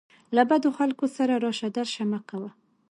له بدو خلکو سره راشه درشه مه کوه.